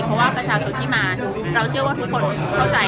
เพราะว่าประชาชนที่มาเราเชื่อว่าทุกคนเข้าใจ